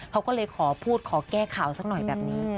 เขาก็เลยขอพูดขอแก้ข่าวสักหน่อยแบบนี้